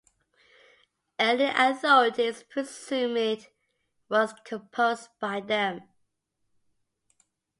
Early authorities presumed it was composed by them.